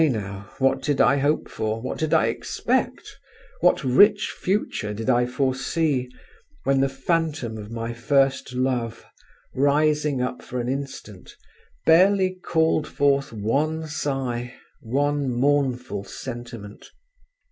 I, now … what did I hope for, what did I expect, what rich future did I foresee, when the phantom of my first love, rising up for an instant, barely called forth one sigh, one mournful sentiment?